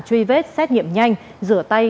truy vết xét nghiệm nhanh rửa tay